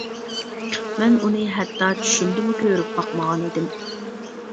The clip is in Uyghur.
مەن ئۇنى ھەتتا چۈشۈمدىمۇ كۆرۈپ باقمىغانىدىم.